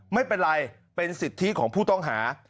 ไม่เป็นไรเป็นสิทธิของผู้ต้องหา